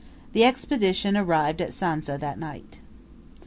The Expedition arrived at Sanza that night.